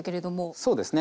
そうですね。